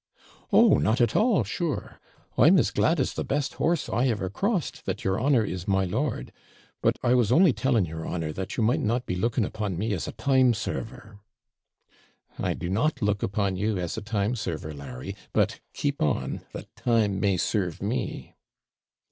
'Oh! not at all, sure; I'm as glad as the best horse I ever crossed, that your honour is my lord but I was only telling your honour, that you might not be looking upon me as a TIME SERVER.' 'I do not look upon you as a TIME SERVER, Larry; but keep on, that time may serve me.'